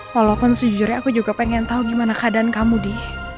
walaupun sejujurnya aku juga pengen tahu gimana keadaan kamu di